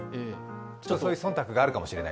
そういう忖度があるかもしれない。